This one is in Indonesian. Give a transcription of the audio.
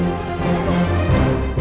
aku akan menang